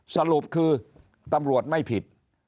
สรุปคือตำรวจไม่ผิด